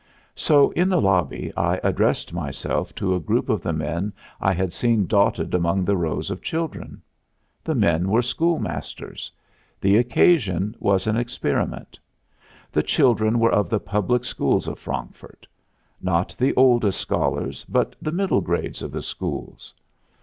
So in the lobby I addressed myself to a group of the men I had seen dotted among the rows of children. The men were schoolmasters. The occasion was an experiment. The children were of the public schools of Frankfurt not the oldest scholars, but the middle grades of the schools.